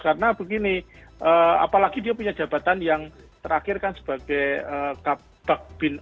karena begini apalagi dia punya jabatan yang terakhir kan sebagai kapak bin